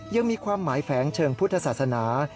ยังมีความหมายแฝงเชิงพุทธศาสนา